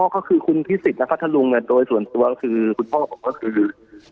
อ๋อก็คือคุณพิศิษฐ์นะพัทธลุงเนี่ยโดยส่วนตัวคือคุณพ่อผมก็คือ